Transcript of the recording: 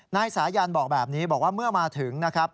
นายสายันบอกแบบนี้บอกว่าเมื่อมาถึงนะครับ